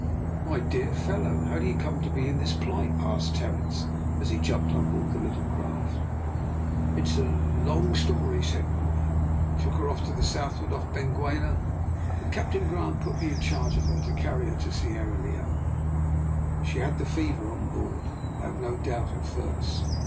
"My dear fellow, how do you come to be this in plight?" asked Terence, as he jumped on board the little craft. "It's a long story," said Murray. "We took her to the southward off Benguela, and Captain Grant put me in charge of her to carry her to Sierra Leone. She had the fever on board, I have no doubt, at first.